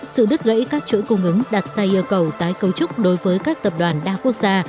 sự đứt gãy các chuỗi cung ứng đặt ra yêu cầu tái cấu trúc đối với các tập đoàn đa quốc gia